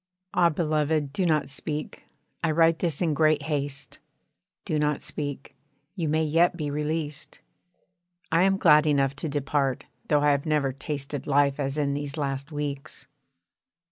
Ah beloved, do not speak. I write this in great haste do not speak, you may yet be released. I am glad enough to depart though I have never tasted life as in these last weeks.